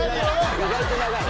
意外と長い。